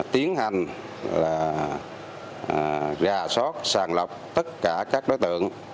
tiến hành ra sót sàng lọc tất cả các đối tượng